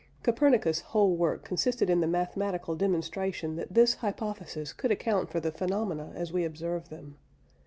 Copernicus' whole work consisted in the mathematical demonstration that this hypothesis could account for the phenomena as we observe them.